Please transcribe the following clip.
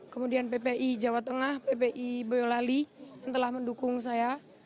kemudian ppi jawa tengah ppi boyolali yang telah mendukung saya